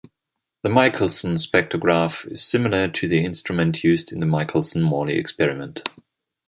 The Michelson spectrograph is similar to the instrument used in the Michelson-Morley experiment.